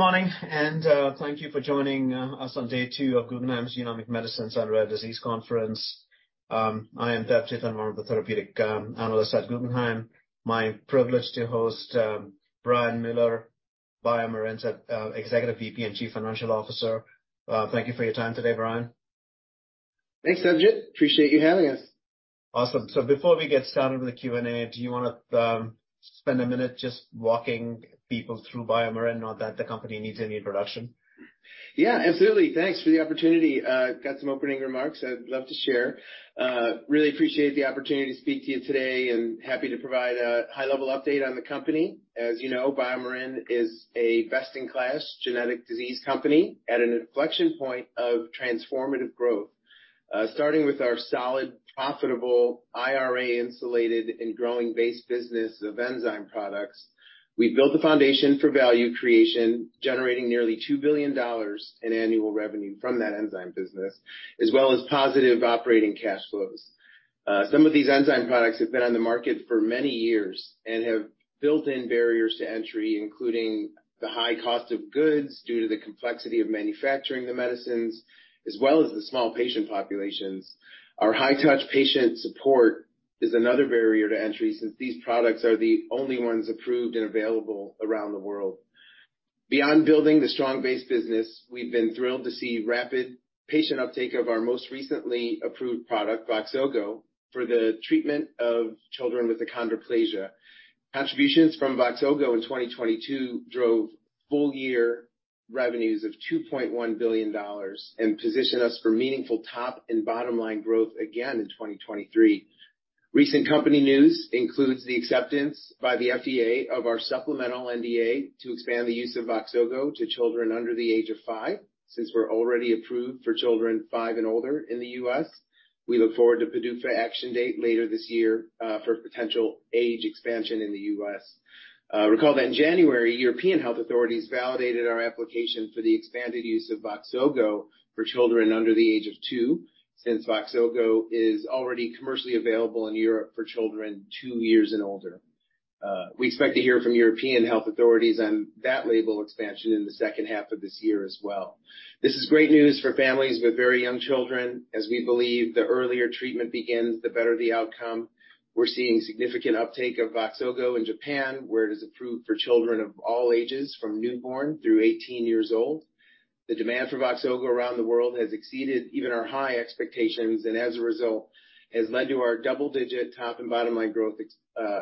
Good morning, and thank you for joining us on day two of Guggenheim's Genomic Medicine Genetic Disease Conference. I am Debjit Chattopadhyay of the Therapeutic Analysts at Guggenheim. It's my privilege to host Brian Mueller, BioMarin's Executive VP and Chief Financial Officer. Thank you for your time today, Brian. Thanks, Debjit. Appreciate you having us. Awesome. So before we get started with the Q&A, do you want to spend a minute just walking people through BioMarin, knowing that the company needs no introduction? Yeah, absolutely. Thanks for the opportunity. Got some opening remarks I'd love to share. Really appreciate the opportunity to speak to you today and happy to provide a high-level update on the company. As you know, BioMarin is a best-in-class genetic disease company at an inflection point of transformative growth. Starting with our solid, profitable, IRA-insulated, and growing base business of enzyme products, we've built the foundation for value creation, generating nearly $2 billion in annual revenue from that enzyme business, as well as positive operating cash flows. Some of these enzyme products have been on the market for many years and have built-in barriers to entry, including the high cost of goods due to the complexity of manufacturing the medicines, as well as the small patient populations. Our high-touch patient support is another barrier to entry since these products are the only ones approved and available around the world. Beyond building the strong base business, we've been thrilled to see rapid patient uptake of our most recently approved product, VOXZOGO, for the treatment of children with achondroplasia. Contributions from VOXZOGO in 2022 drove full-year revenues of $2.1 billion and positioned us for meaningful top and bottom-line growth again in 2023. Recent company news includes the acceptance by the FDA of our supplemental NDA to expand the use of VOXZOGO to children under the age of five, since we're already approved for children five and older in the U.S. We look forward to PDUFA action date later this year for potential age expansion in the U.S. Recall that in January, European health authorities validated our application for the expanded use of VOXZOGO for children under the age of two, since VOXZOGO is already commercially available in Europe for children two years and older. We expect to hear from European health authorities on that label expansion in the second half of this year as well. This is great news for families with very young children, as we believe the earlier treatment begins, the better the outcome. We're seeing significant uptake of VOXZOGO in Japan, where it is approved for children of all ages from newborn through 18 years old. The demand for VOXZOGO around the world has exceeded even our high expectations and, as a result, has led to our double-digit top and bottom-line growth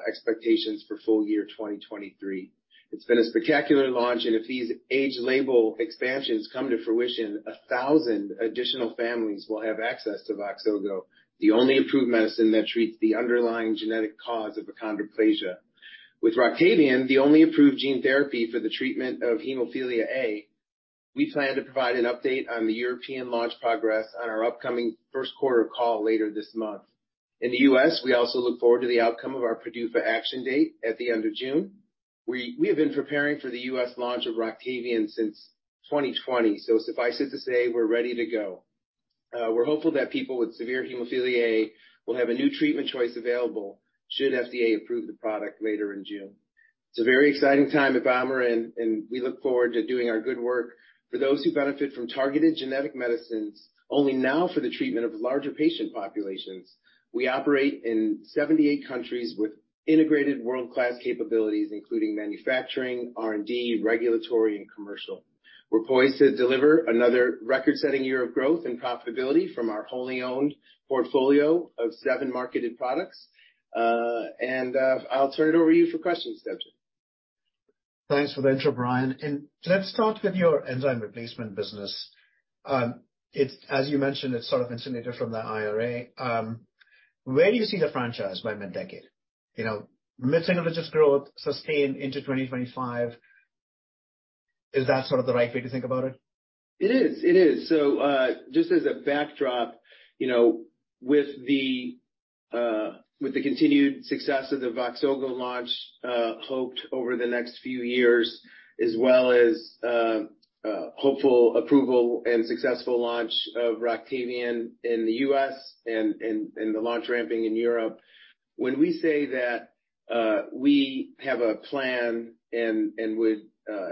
expectations for full year 2023. It's been a spectacular launch, and if these age label expansions come to fruition, 1,000 additional families will have access to VOXZOGO, the only approved medicine that treats the underlying genetic cause of achondroplasia. With ROCTAVIAN, the only approved gene therapy for the treatment haemophilia A, we plan to provide an update on the European launch progress on our upcoming first quarter call later this month. In the U.S., we also look forward to the outcome of our PDUFA action date at the end of June. We have been preparing for the U.S. launch of ROCTAVIAN since 2020, so suffice it to say we're ready to go. We're hopeful that people with haemophilia A will have a new treatment choice available should FDA approve the product later in June. It's a very exciting time at BioMarin, and we look forward to doing our good work for those who benefit from targeted genetic medicines, only now for the treatment of larger patient populations. We operate in 78 countries with integrated world-class capabilities, including manufacturing, R&D, regulatory, and commercial. We're poised to deliver another record-setting year of growth and profitability from our wholly owned portfolio of seven marketed products. And I'll turn it over to you for questions, Debjit. Thanks for the intro, Brian. Let's start with your enzyme replacement business. As you mentioned, it's sort of insulated from the IRA. Where do you see the franchise by mid-decade? Mid-teens growth, sustain into 2025. Is that sort of the right way to think about it? It is. It is. So just as a backdrop, with the continued success of the VOXZOGO launch hoped over the next few years, as well as hopeful approval and successful launch of ROCTAVIAN in the U.S. and the launch ramping in Europe, when we say that we have a plan and would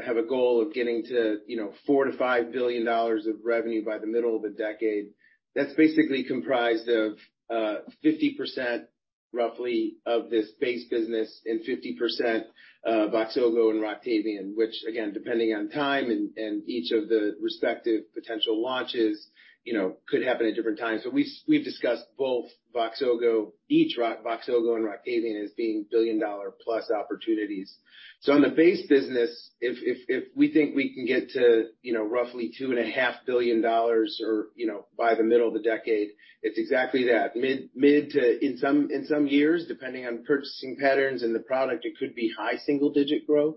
have a goal of getting to $4 billion-$5 billion of revenue by the middle of the decade, that's basically comprised of 50%, roughly, of this base business and 50% VOXZOGO and ROCTAVIAN, which, again, depending on time and each of the respective potential launches, could happen at different times. But we've discussed both VOXZOGO, each VOXZOGO and ROCTAVIAN as being billion-dollar-plus opportunities. So on the base business, if we think we can get to roughly $2.5 billion by the middle of the decade, it's exactly that. In some years, depending on purchasing patterns and the product, it could be high single-digit growth.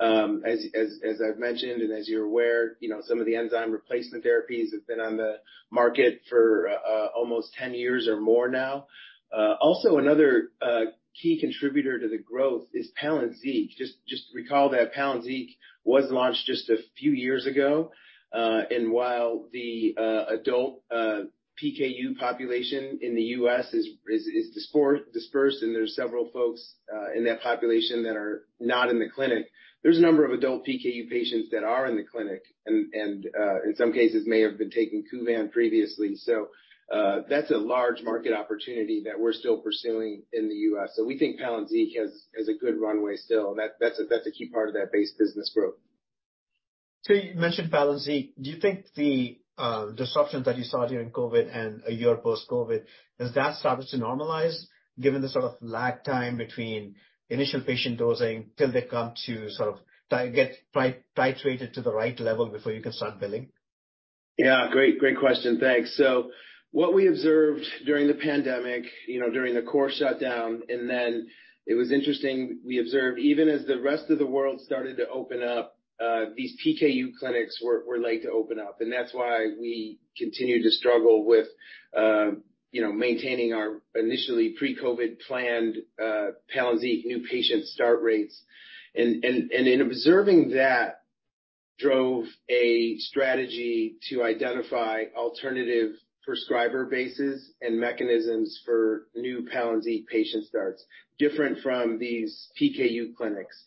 As I've mentioned, and as you're aware, some of the enzyme replacement therapies have been on the market for almost 10 years or more now. Also, another key contributor to the growth is PALYNZIQ. Just recall that PALYNZIQ was launched just a few years ago. And while the adult PKU population in the U.S. is dispersed, and there's several folks in that population that are not in the clinic, there's a number of adult PKU patients that are in the clinic and in some cases may have been taking KUVAN previously. So that's a large market opportunity that we're still pursuing in the U.S. So we think PALYNZIQ has a good runway still. That's a key part of that base business growth. So you mentioned PALYNZIQ. Do you think the disruption that you saw during COVID and a year post-COVID, has that started to normalize, given the sort of lag time between initial patient dosing till they come to sort of get titrated to the right level before you can start billing? Yeah, great question. Thanks. So what we observed during the pandemic, during the COVID shutdown, and then it was interesting, we observed even as the rest of the world started to open up, these PKU clinics were late to open up, and that's why we continue to struggle with maintaining our initially pre-COVID planned PALYNZIQ new patient start rates, and in observing that, drove a strategy to identify alternative prescriber bases and mechanisms for new PALYNZIQ patient starts, different from these PKU clinics.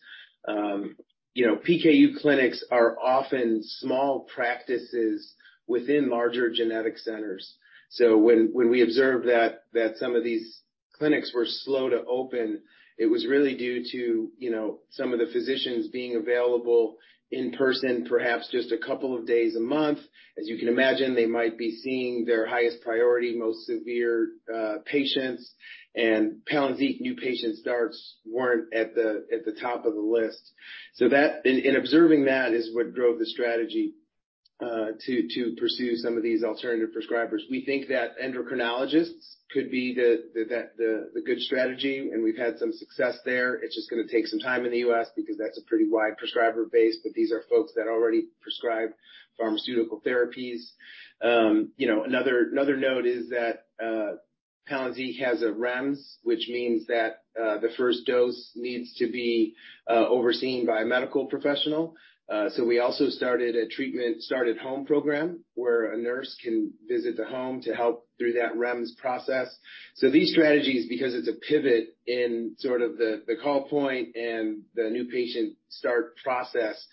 PKU clinics are often small practices within larger genetic centers, so when we observed that some of these clinics were slow to open, it was really due to some of the physicians being available in person, perhaps just a couple of days a month. As you can imagine, they might be seeing their highest priority, most severe patients, and PALYNZIQ new patient starts weren't at the top of the list. So in observing that is what drove the strategy to pursue some of these alternative prescribers. We think that endocrinologists could be the good strategy, and we've had some success there. It's just going to take some time in the U.S. because that's a pretty wide prescriber base, but these are folks that already prescribe pharmaceutical therapies. Another note is that PALYNZIQ has a REMS, which means that the first dose needs to be overseen by a medical professional. So we also started a treatment start-at-home program where a nurse can visit the home to help through that REMS process. So these strategies, because it's a pivot in sort of the call point and the new patient start process,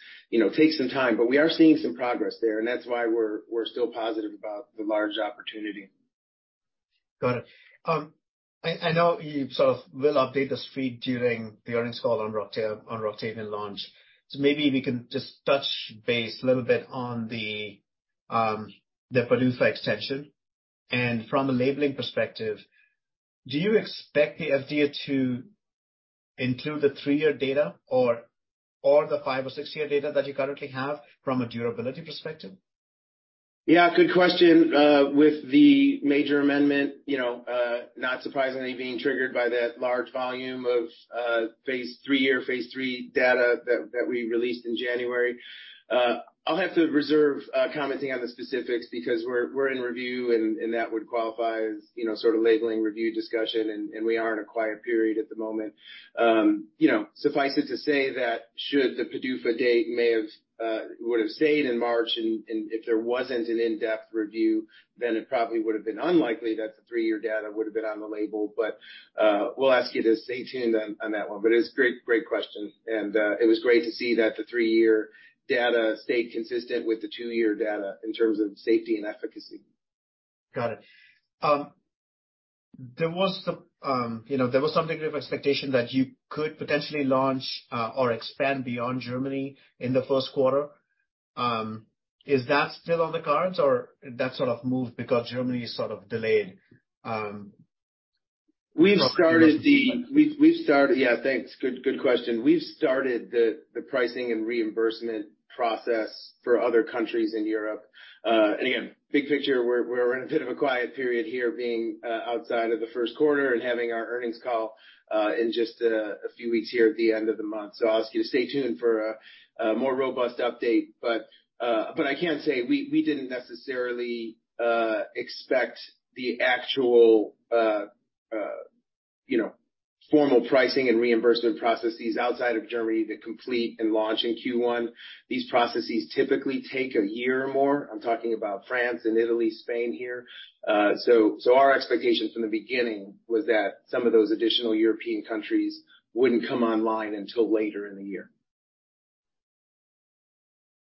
takes some time. But we are seeing some progress there, and that's why we're still positive about the large opportunity. Got it. I know you sort of will update the street during the earnings call on ROCTAVIAN launch. So maybe we can just touch base a little bit on the PDUFA extension and from a labeling perspective, do you expect the FDA to include the three-year data or the five or six-year data that you currently have from a durability perspective? Yeah, good question. With the major amendment, not surprisingly being triggered by that large volume of three-year, phase three data that we released in January. I'll have to reserve commenting on the specifics because we're in review, and that would qualify as sort of labeling review discussion, and we are in a quiet period at the moment. Suffice it to say that should the PDUFA date would have stayed in March, and if there wasn't an in-depth review, then it probably would have been unlikely that the three-year data would have been on the label. But we'll ask you to stay tuned on that one. But it's a great question. And it was great to see that the three-year data stayed consistent with the two-year data in terms of safety and efficacy. Got it. There was some degree of expectation that you could potentially launch or expand beyond Germany in the first quarter. Is that still on the cards, or that sort of moved because Germany is sort of delayed? We've started. Yeah, thanks. Good question. We've started the pricing and reimbursement process for other countries in Europe. And again, big picture, we're in a bit of a quiet period here being outside of the first quarter and having our earnings call in just a few weeks here at the end of the month. So I'll ask you to stay tuned for a more robust update. But I can say we didn't necessarily expect the actual formal pricing and reimbursement processes outside of Germany to complete and launch in Q1. These processes typically take a year or more. I'm talking about France and Italy, Spain here. So our expectation from the beginning was that some of those additional European countries wouldn't come online until later in the year.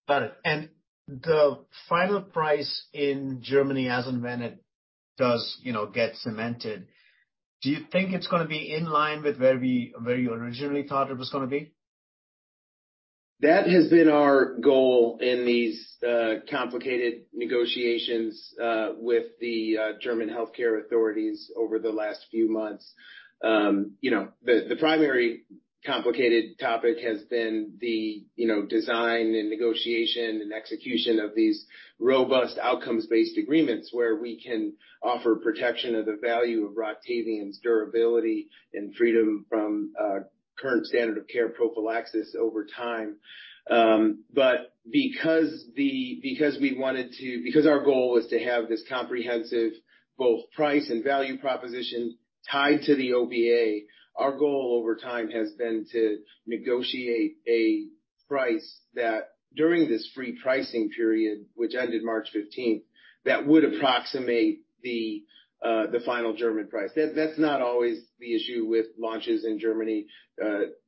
Got it, and the final price in Germany, as in [France], does get cemented. Do you think it's going to be in line with where you originally thought it was going to be? That has been our goal in these complicated negotiations with the German healthcare authorities over the last few months. The primary complicated topic has been the design and negotiation and execution of these robust outcomes-based agreements where we can offer protection of the value of ROCTAVIAN's durability and freedom from current standard of care prophylaxis over time. But because our goal was to have this comprehensive both price and value proposition tied to the OBA, our goal over time has been to negotiate a price that, during this free pricing period, which ended March 15th, that would approximate the final German price. That's not always the issue with launches in Germany.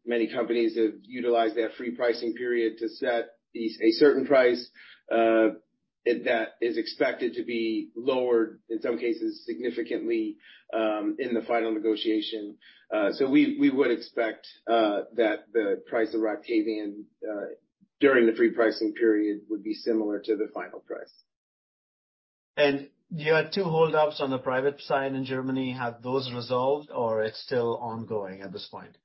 Many companies have utilized that free pricing period to set a certain price that is expected to be lowered, in some cases, significantly in the final negotiation. So we would expect that the price of ROCTAVIAN during the free pricing period would be similar to the final price. You had two holdups on the private side in Germany. Have those resolved, or is it still ongoing at this point?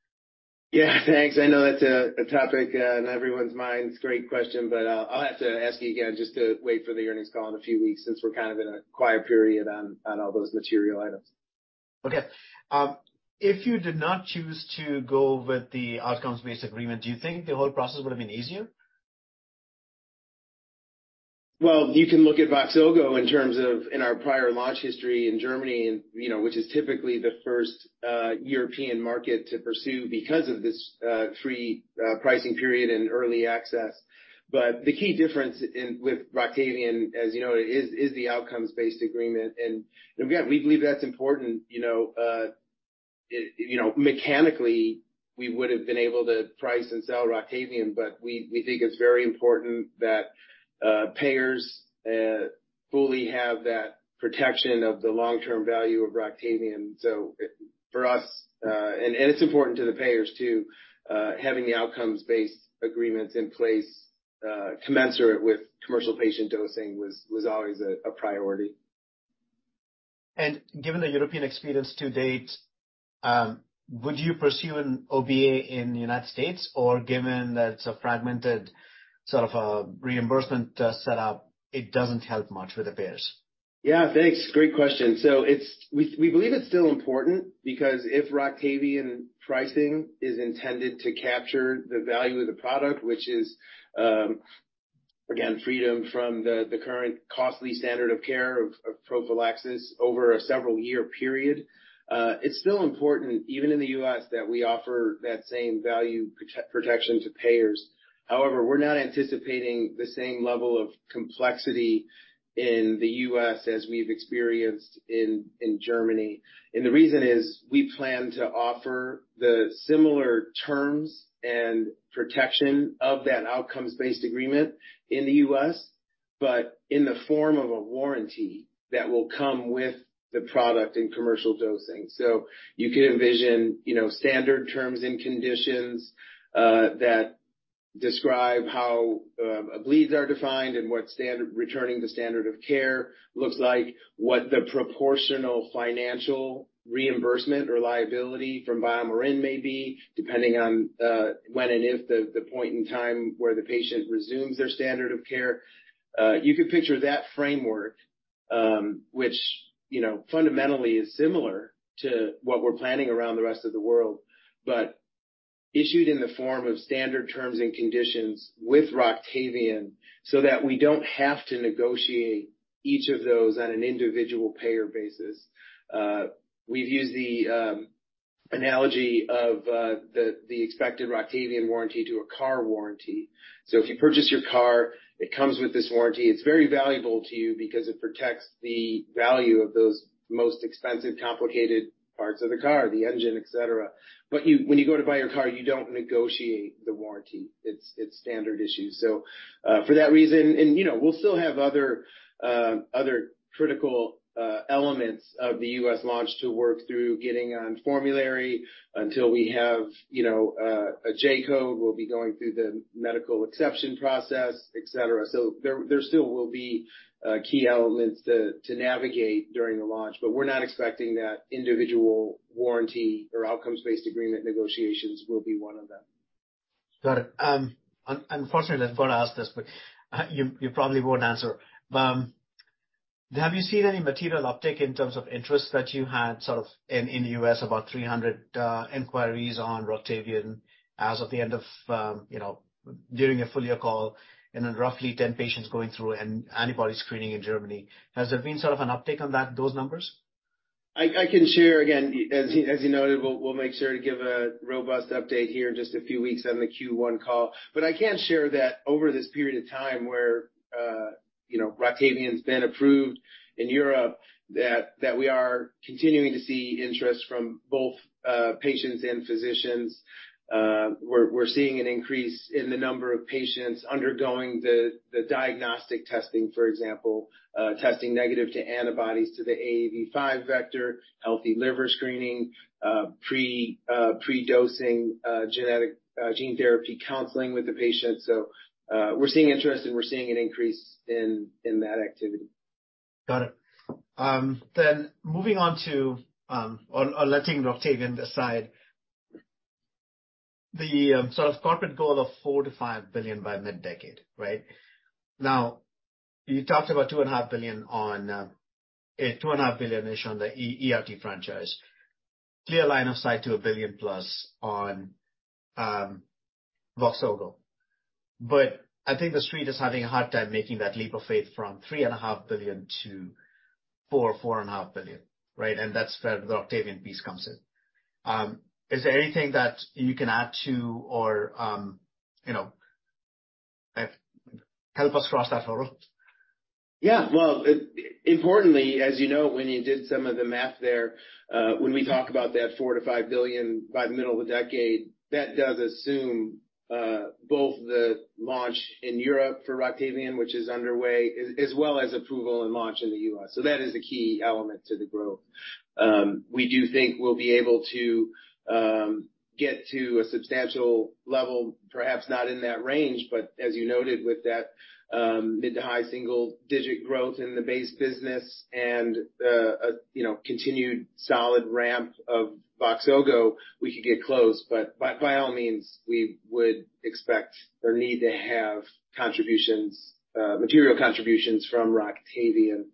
Yeah, thanks. I know that's a topic on everyone's mind. It's a great question, but I'll have to ask you again just to wait for the earnings call in a few weeks since we're kind of in a quiet period on all those material items. Okay. If you did not choose to go with the outcomes-based agreement, do you think the whole process would have been easier? You can look at VOXZOGO in terms of our prior launch history in Germany, which is typically the first European market to pursue because of this free pricing period and early access. But the key difference with ROCTAVIAN, as you know, is the outcomes-based agreement. And again, we believe that's important. Mechanically, we would have been able to price and sell ROCTAVIAN, but we think it's very important that payers fully have that protection of the long-term value of ROCTAVIAN. So for us, and it's important to the payers too, having the outcomes-based agreements in place commensurate with commercial patient dosing was always a priority. Given the European experience to date, would you pursue an OBA in the United States, or given that it's a fragmented sort of reimbursement setup, it doesn't help much with the payers? Yeah, thanks. Great question. So we believe it's still important because if ROCTAVIAN pricing is intended to capture the value of the product, which is, again, freedom from the current costly standard of care of prophylaxis over a several-year period, it's still important, even in the U.S., that we offer that same value protection to payers. However, we're not anticipating the same level of complexity in the U.S. as we've experienced in Germany. And the reason is we plan to offer the similar terms and protection of that outcomes-based agreement in the U.S., but in the form of a warranty that will come with the product and commercial dosing. You can envision standard terms and conditions that describe how bleeds are defined and what returning the standard of care looks like, what the proportional financial reimbursement or liability from BioMarin may be, depending on when and if the point in time where the patient resumes their standard of care. You could picture that framework, which fundamentally is similar to what we're planning around the rest of the world, but issued in the form of standard terms and conditions with ROCTAVIAN so that we don't have to negotiate each of those on an individual payer basis. We've used the analogy of the expected ROCTAVIAN warranty to a car warranty. So if you purchase your car, it comes with this warranty. It's very valuable to you because it protects the value of those most expensive, complicated parts of the car, the engine, etc. But when you go to buy your car, you don't negotiate the warranty. It's standard issue. So for that reason and we'll still have other critical elements of the U.S. launch to work through, getting on formulary until we have a J Code. We'll be going through the medical exception process, etc. So there still will be key elements to navigate during the launch, but we're not expecting that individual warranty or outcomes-based agreement negotiations will be one of them. Got it. Unfortunately, I'm going to ask this, but you probably won't answer. Have you seen any material uptake in terms of interest that you had sort of in the U.S., about 300 inquiries on ROCTAVIAN as of the end of during a full year call and then roughly 10 patients going through and antibody screening in Germany? Has there been sort of an uptake on those numbers? I can share again, as you noted, we'll make sure to give a robust update here in just a few weeks on the Q1 call. But I can share that over this period of time where ROCTAVIAN's been approved in Europe, that we are continuing to see interest from both patients and physicians. We're seeing an increase in the number of patients undergoing the diagnostic testing, for example, testing negative to antibodies to the AAV5 vector, healthy liver screening, pre-dosing genetic gene therapy counseling with the patient. So we're seeing interest, and we're seeing an increase in that activity. Got it. Then moving on to or letting ROCTAVIAN aside, the sort of corporate goal of $4 billion-$5 billion by mid-decade, right? Now, you talked about $2.5 billion on $2.5 billion-ish on the ERT franchise, clear line of sight to $1+ billion on VOXZOGO. But I think the street is having a hard time making that leap of faith from $3.5 billion to $4 billion-$4.5 billion, right? And that's where the ROCTAVIAN piece comes in. Is there anything that you can add to or help us cross that hurdle? Yeah. Well, importantly, as you know, when you did some of the math there, when we talk about that $4 billion-$5 billion by the middle of the decade, that does assume both the launch in Europe for ROCTAVIAN, which is underway, as well as approval and launch in the U.S. So that is a key element to the growth. We do think we'll be able to get to a substantial level, perhaps not in that range, but as you noted, with that mid- to high single-digit growth in the base business and a continued solid ramp of VOXZOGO, we could get close. But by all means, we would expect or need to have material contributions from ROCTAVIAN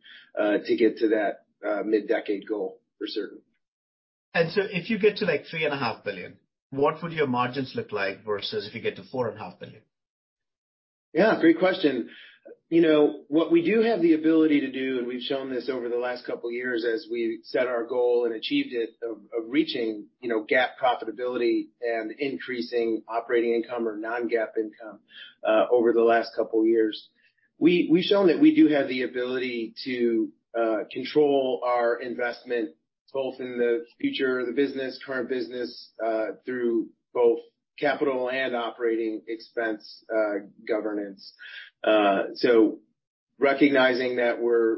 to get to that mid-decade goal for certain. And so if you get to like $3.5 billion, what would your margins look like versus if you get to $4.5 billion? Yeah, great question. What we do have the ability to do, and we've shown this over the last couple of years as we set our goal and achieved it of reaching GAAP profitability and increasing operating income or non-GAAP income over the last couple of years, we've shown that we do have the ability to control our investment both in the future of the business, current business, through both capital and operating expense governance. So recognizing that we're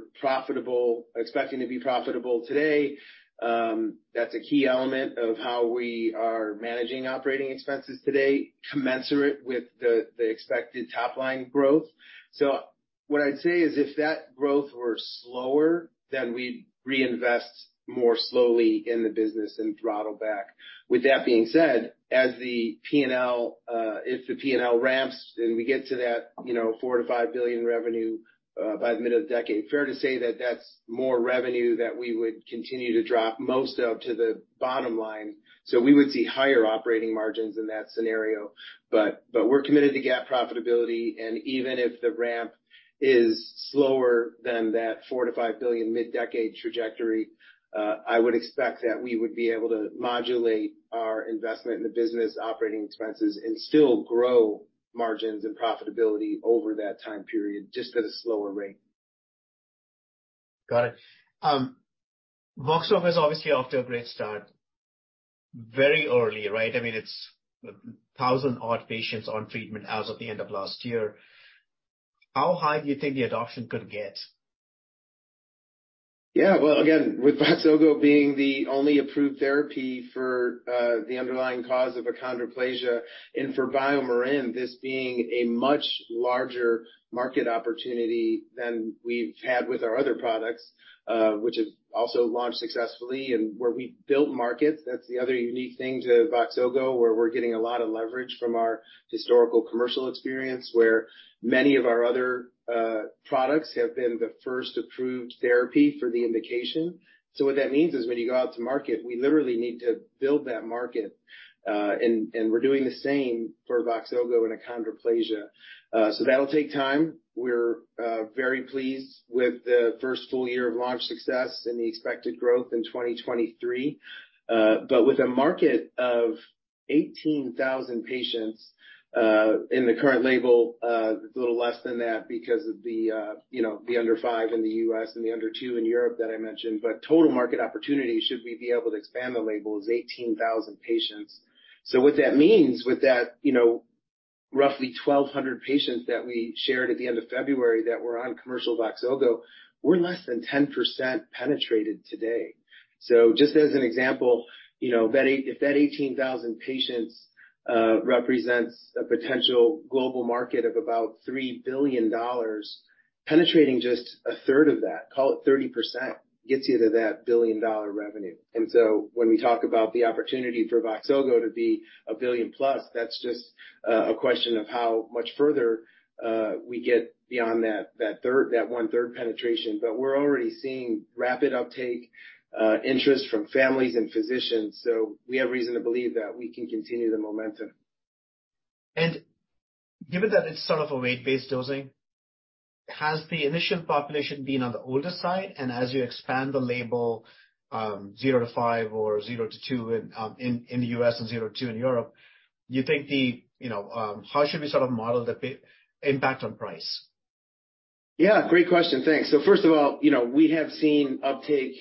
expecting to be profitable today, that's a key element of how we are managing operating expenses today, commensurate with the expected top-line growth. So what I'd say is if that growth were slower, then we'd reinvest more slowly in the business and throttle back. With that being said, as the P&L, if the P&L ramps and we get to that $4 billion-$5 billion revenue by the middle of the decade, fair to say that that's more revenue that we would continue to drop most of to the bottom line. So we would see higher operating margins in that scenario. But we're committed to GAAP profitability. And even if the ramp is slower than that $4 billion-$5 billion mid-decade trajectory, I would expect that we would be able to modulate our investment in the business, operating expenses, and still grow margins and profitability over that time period just at a slower rate. Got it. VOXZOGO is obviously off to a great start very early, right? I mean, it's 1,000-odd patients on treatment as of the end of last year. How high do you think the adoption could get? Yeah. Well, again, with VOXZOGO being the only approved therapy for the underlying cause of achondroplasia and, for BioMarin, this being a much larger market opportunity than we've had with our other products, which have also launched successfully and where we've built markets. That's the other unique thing to VOXZOGO, where we're getting a lot of leverage from our historical commercial experience, where many of our other products have been the first approved therapy for the indication. So what that means is when you go out to market, we literally need to build that market. And we're doing the same for VOXZOGO and achondroplasia. So that'll take time. We're very pleased with the first full year of launch success and the expected growth in 2023. But with a market of 18,000 patients in the current label, it's a little less than that because of the under five in the U.S. and the under two in Europe that I mentioned. But total market opportunity, should we be able to expand the label, is 18,000 patients. So what that means with that roughly 1,200 patients that we shared at the end of February that were on commercial VOXZOGO, we're less than 10% penetrated today. So just as an example, if that 18,000 patients represents a potential global market of about $3 billion, penetrating just a third of that, call it 30%, gets you to that billion-dollar revenue. And so when we talk about the opportunity for VOXZOGO to be a $1+billion, that's just a question of how much further we get beyond that one-third penetration. But we're already seeing rapid uptake interest from families and physicians. We have reason to believe that we can continue the momentum. And given that it's sort of a weight-based dosing, has the initial population been on the older side? And as you expand the label, zero to five or zero to two in the U.S. and zero to two in Europe, you think how should we sort of model the impact on price? Yeah, great question. Thanks. So first of all, we have seen uptake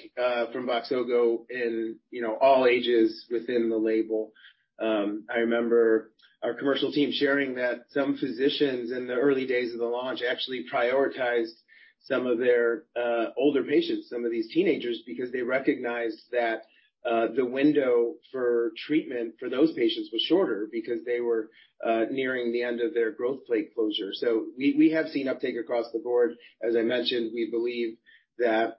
from VOXZOGO in all ages within the label. I remember our commercial team sharing that some physicians in the early days of the launch actually prioritized some of their older patients, some of these teenagers, because they recognized that the window for treatment for those patients was shorter because they were nearing the end of their growth plate closure. So we have seen uptake across the board. As I mentioned, we believe that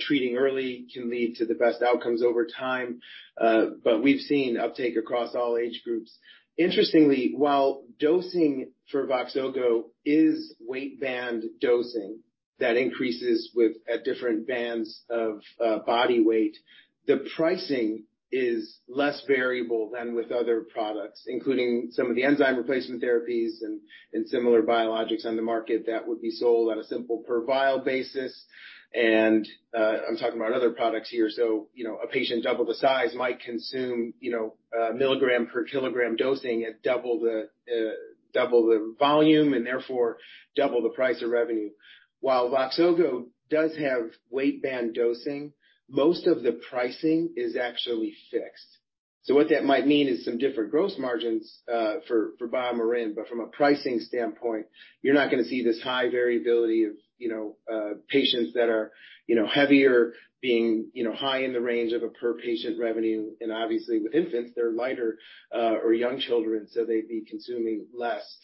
treating early can lead to the best outcomes over time. But we've seen uptake across all age groups. Interestingly, while dosing for VOXZOGO is weight-band dosing that increases at different bands of body weight, the pricing is less variable than with other products, including some of the enzyme replacement therapies and similar biologics on the market that would be sold on a simple per vial basis, and I'm talking about other products here, so a patient double the size might consume milligram per kilogram dosing at double the volume and therefore double the price of revenue. While VOXZOGO does have weight-band dosing, most of the pricing is actually fixed, so what that might mean is some different gross margins for BioMarin, but from a pricing standpoint, you're not going to see this high variability of patients that are heavier being high in the range of a per patient revenue, and obviously, with infants, they're lighter or young children, so they'd be consuming less.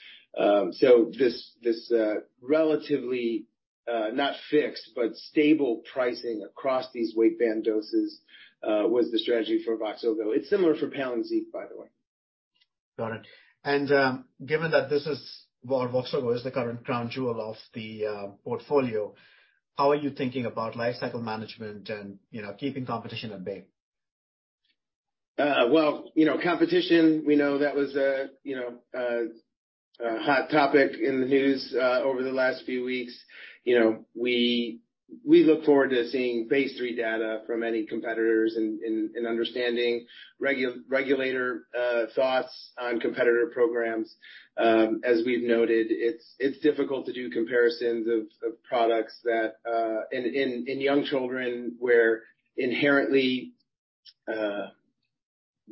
So this relatively not fixed, but stable pricing across these weight-band doses was the strategy for VOXZOGO. It's similar for PALYNZIQ, by the way. Got it. And given that VOXZOGO is the current crown jewel of the portfolio, how are you thinking about lifecycle management and keeping competition at bay? Competition, we know that was a hot topic in the news over the last few weeks. We look forward to seeing phase three data from any competitors and understanding regulator thoughts on competitor programs. As we've noted, it's difficult to do comparisons of products in young children where inherently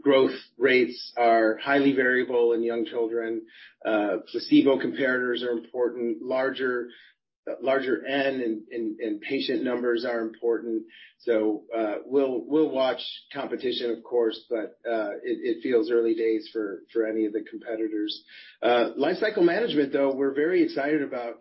growth rates are highly variable in young children. Placebo comparators are important. Larger N in patient numbers are important. So we'll watch competition, of course, but it feels early days for any of the competitors. Lifecycle management, though, we're very excited about.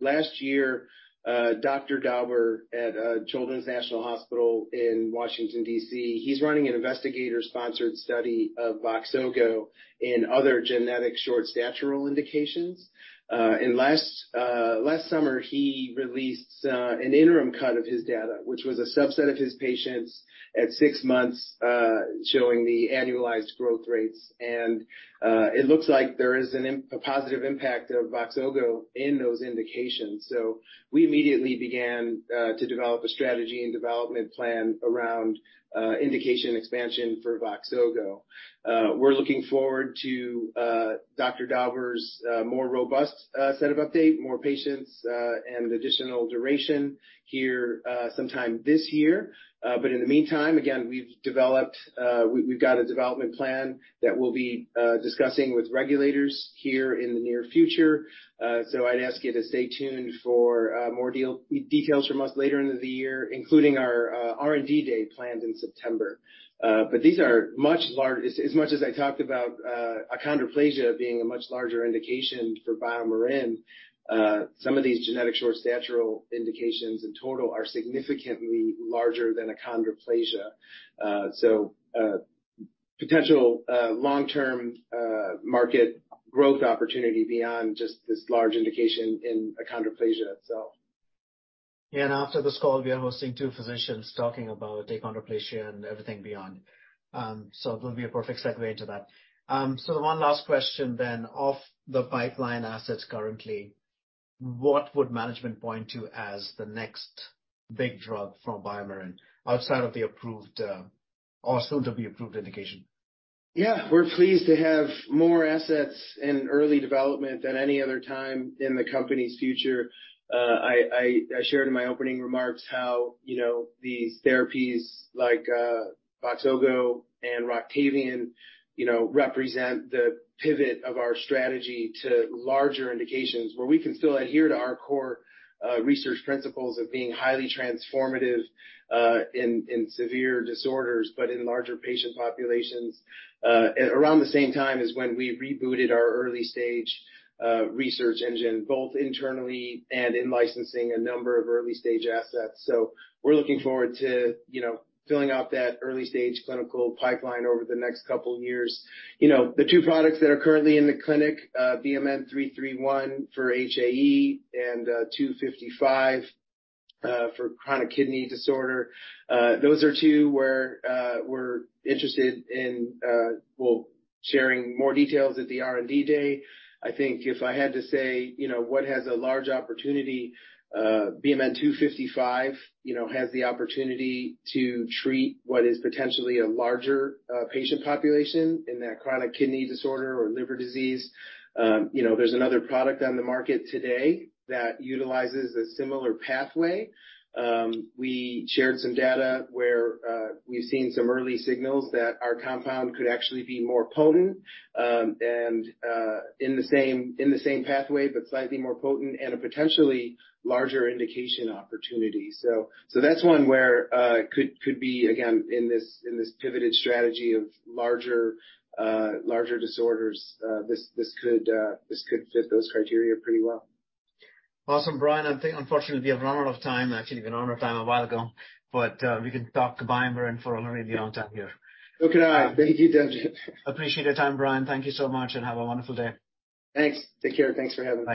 Last year, Dr. Dauber at Children's National Hospital in Washington, D.C., he's running an investigator-sponsored study of VOXZOGO in other genetic short-stature indications. And last summer, he released an interim cut of his data, which was a subset of his patients at six months, showing the annualized growth rates. And it looks like there is a positive impact of VOXZOGO in those indications. So we immediately began to develop a strategy and development plan around indication expansion for VOXZOGO. We're looking forward to Dr. Dauber's more robust set of updates, more patients, and additional duration here sometime this year. But in the meantime, again, we've developed a development plan that we'll be discussing with regulators here in the near future. So I'd ask you to stay tuned for more details from us later in the year, including our R&D Day planned in September. But these are much larger. As much as I talked about achondroplasia being a much larger indication for BioMarin, some of these genetic short-stature indications in total are significantly larger than achondroplasia. So potential long-term market growth opportunity beyond just this large indication in achondroplasia itself. Yeah. And after this call, we are hosting two physicians talking about achondroplasia and everything beyond. So it will be a perfect segue into that. So the one last question then, off the pipeline assets currently, what would management point to as the next big drug from BioMarin outside of the approved or soon-to-be-approved indication? Yeah. We're pleased to have more assets in early development than any other time in the company's future. I shared in my opening remarks how these therapies like VOXZOGO and ROCTAVIAN represent the pivot of our strategy to larger indications where we can still adhere to our core research principles of being highly transformative in severe disorders, but in larger patient populations around the same time as when we rebooted our early-stage research engine, both internally and in licensing a number of early-stage assets. So we're looking forward to filling out that early-stage clinical pipeline over the next couple of years. The two products that are currently in the clinic, BMN 331 for HAE and BMN 255 for chronic kidney disorder, those are two where we're interested in sharing more details at the R&D Day. I think if I had to say what has a large opportunity, BMN 255 has the opportunity to treat what is potentially a larger patient population in that chronic kidney disorder or liver disease. There's another product on the market today that utilizes a similar pathway. We shared some data where we've seen some early signals that our compound could actually be more potent and in the same pathway, but slightly more potent and a potentially larger indication opportunity. So that's one where it could be, again, in this pivoted strategy of larger disorders. This could fit those criteria pretty well. Awesome. Brian, I think unfortunately, we have run out of time. Actually, we ran out of time a while ago, but we can talk to BioMarin for a really long time here. Can I? Thank you, Debjit. Appreciate your time, Brian. Thank you so much, and have a wonderful day. Thanks. Take care. Thanks for having me.